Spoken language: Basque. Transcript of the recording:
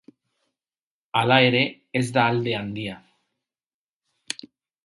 Hala ere, ez da alde handia.